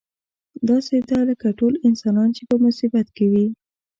داسې ده لکه ټول انسانان چې په مصیبت کې وي.